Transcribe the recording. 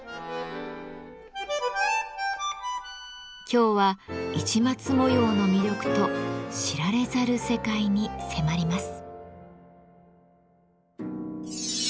今日は市松模様の魅力と知られざる世界に迫ります。